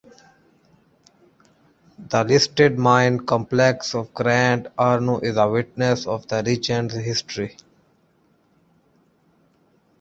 The listed mine complex of Grand Hornu is a witness of the region's history.